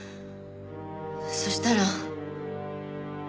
そしたら。